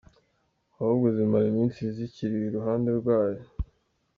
ahubwo zimara iminsi zikiri iruhande rwayo, mu.